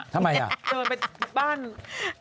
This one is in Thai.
ทำไมอ่ะตอนเดินไปบ้านทำอ่ะ